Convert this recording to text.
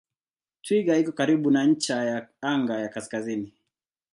Twiga iko karibu na ncha ya anga ya kaskazini.